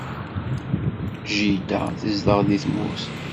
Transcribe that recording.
Jida tezdeɣ deg tmurt.